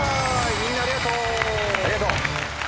みんなありがとう。